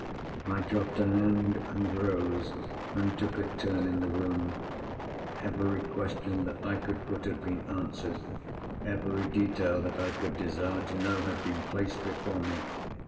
I dropped her hand, and rose, and took a turn in the room. Every question that I could put had been answered. Every detail that I could desire to know had been placed before me.